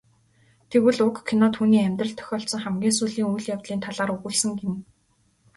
Тэгвэл уг кино түүний амьдралд тохиолдсон хамгийн сүүлийн үйл явдлын талаар өгүүлсэн гэнэ.